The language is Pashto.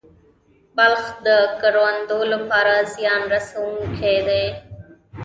ملخ د کروندو لپاره زیان رسوونکی دی